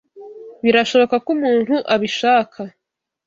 Birashoboka ko umuntu abishaka.